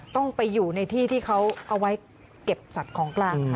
ต้องไปอยู่ในที่ที่เขาเอาไว้เก็บสัตว์ของกลางค่ะ